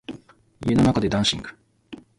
家の中でダンシング